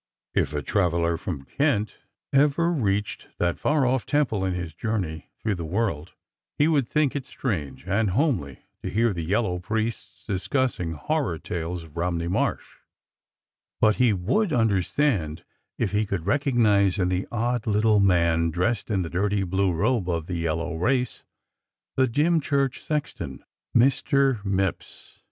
If a traveller from Kent ever reached that far off temple in his journey through the world he would think it strange and homely to hear the yellow priests discussing horror tales of Romney Marsh, but he would understand if he could recog nize in the odd little man, dressed in the dirty blue 300 ECHOES 301 robe of the yellow race, the Dymchurch sexton, Mr. Mipps.